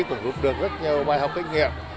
cũng được rất nhiều bài học kinh nghiệm